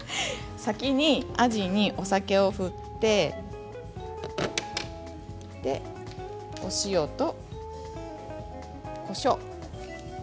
あじにお酒を振ってお塩と、こしょうです。